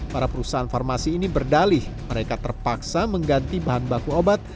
para perusahaan farmasi ini berdalih mereka terpaksa mengganti bahan baku obat